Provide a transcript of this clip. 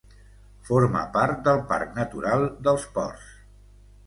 Forma part del Parc Natural dels Ports.